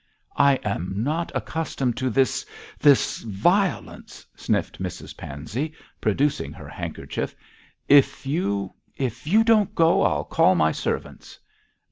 'I am not accustomed to this this violence,' sniffed Mrs Pansey, producing her handkerchief; 'if you if you don't go, I'll call my servants.'